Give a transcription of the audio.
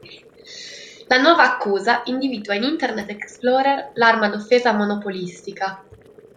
La nuova accusa individua in Internet Explorer l'arma d'offesa monopolistica.